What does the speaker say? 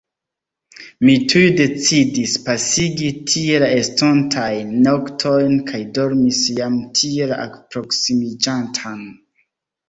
Mi tuj decidis pasigi tie la estontajn noktojn kaj dormis jam tie la alproksimiĝantan.